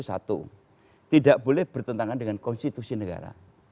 satu tidak boleh bertentangan dengan konstitusi negara